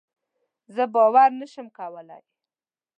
زه باور نشم کولی.